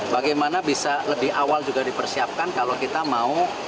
bagaimana bisa lebih awal juga dipersiapkan kalau kita mau